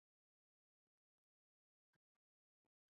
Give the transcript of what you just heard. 中华对马耳蕨为鳞毛蕨科耳蕨属下的一个种。